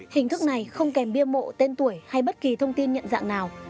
hình thức này không kèm bia mộ tên tuổi hay bất kỳ thông tin nhận dạng nào